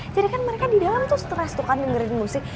jadi kan mereka di dalam tuh stress tuh kan dengerin musik